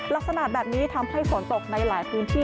ลักษณะแบบนี้ทำให้ฝนตกในหลายพื้นที่